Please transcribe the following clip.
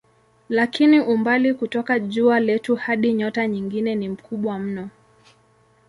Lakini umbali kutoka jua letu hadi nyota nyingine ni mkubwa mno.